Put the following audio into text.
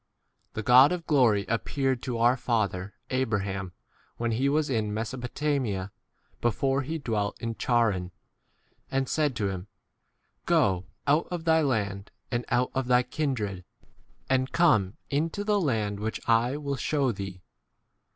The God of glory ap peared to our father Abraham when he was in Mesopotamia, 8 before he dwelt in Charran, and said to him, Go out of thy land and out of thy kindred, and come into the u land which I will shew 4 thee.